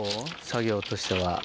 作業としては。